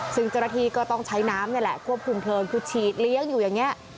ซึ่งเจ้าหน้าที่ก็ต้องใช้น้ำนี่แหละควบคุมเพลิงคือฉีดเลี้ยงอยู่อย่างนี้